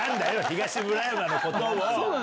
東村山のことを。